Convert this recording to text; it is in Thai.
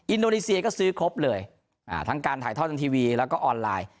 อินโดนีเซียก็ซื้อครบเลยทั้งการถ่ายทอดทางทีวีแล้วก็ออนไลน์